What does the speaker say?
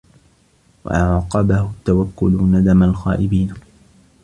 وَأَعْقَبَهُ التَّوَكُّلُ نَدَمَ الْخَائِبِينَ